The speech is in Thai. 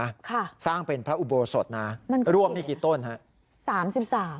ค่ะสร้างเป็นพระอุโบสถนะร่วมนี่กี่ต้นฮะสามสิบสาม